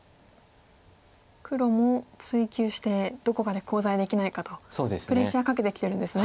黒も追及してどこかでコウ材できないかとプレッシャーかけてきてるんですね